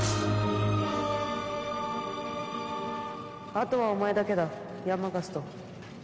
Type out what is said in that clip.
あとはお前だけだヤンマ・ガスト。